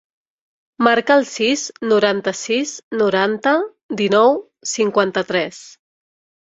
Marca el sis, noranta-sis, noranta, dinou, cinquanta-tres.